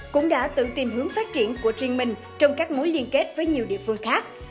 cũng đã tự tìm hướng phát triển của riêng mình trong các mối liên kết với nhiều địa phương khác